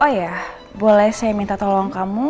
oh ya boleh saya minta tolong kamu